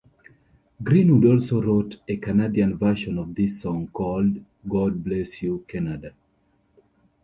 Greenwood also wrote a Canadian version of this song called "God Bless You Canada".